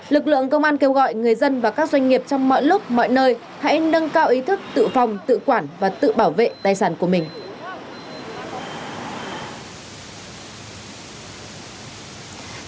lực lượng công an kêu gọi người dân và các doanh nghiệp trong mọi lúc mọi nơi hãy nâng cao ý thức tự phòng tự quản và tự bảo vệ tài sản của mình